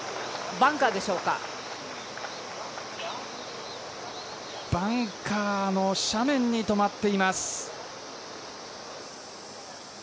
バンカーの斜面に止まっています。